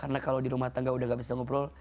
karena kalau di rumah tangga sudah tidak bisa ngobrol